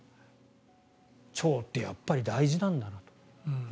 腸ってやっぱり大事なんだと。